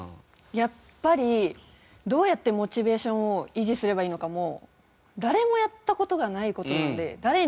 やっぱりどうやってモチベーションを維持すればいいのかも誰もやった事がない事なので。